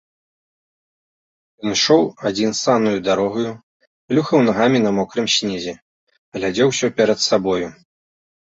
Ён ішоў адзін саннаю дарогаю, плюхаў нагамі на мокрым снезе, глядзеў усё перад сабою.